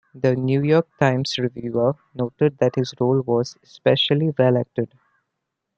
"The New York Times" reviewer noted that his role was "especially well acted.